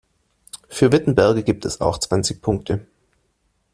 Für Wittenberge gibt es auch zwanzig Punkte.